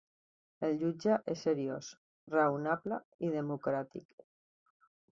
El jutge és seriós, raonable i democràtic.